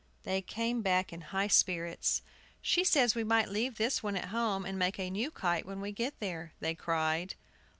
They came back in high spirits. "She says we might leave this one at home, and make a new kite when we get there," they cried.